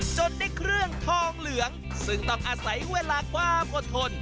จนได้เครื่องทองเหลืองซึ่งต้องอาศัยเวลาความอดทน